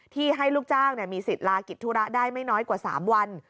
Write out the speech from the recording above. ที่ให้ลูกจ้างมีสิทธิ์ลากิจธุระได้ไม่น้อยกว่า๓วัน